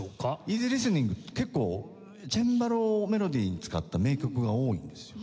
イージーリスニングって結構チェンバロをメロディーに使った名曲が多いんですよ。